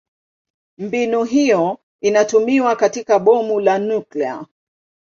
Mbinu hiyo inatumiwa katika bomu la nyuklia.